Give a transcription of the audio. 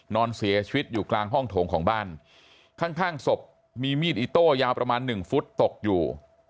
นอนเสียชีวิตอยู่กลางห้องโถงของบ้านข้างข้างศพมีมีดอิโต้ยาวประมาณหนึ่งฟุตตกอยู่